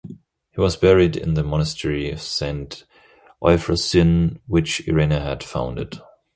He was buried in the Monastery of Saint Euphrosyne, which Irene had founded.